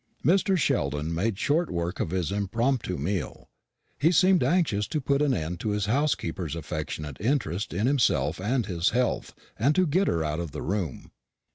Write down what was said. Mr. Sheldon made short work of his impromptu meal. He seemed anxious to put an end to his housekeeper's affectionate interest in himself and his health, and to get her out of the room.